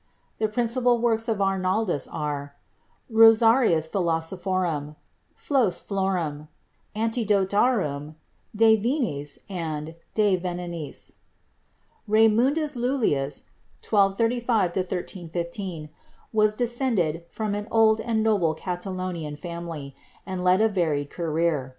The principal works of Arnaldus are "Rosarius philosophorum," "Flos florum," '"Antidotarium," "De Vinis" and "De Venenis." Raymundus Lullius (1 235 131 5) was descended from an old and noble Catalonian family, and led a varied career.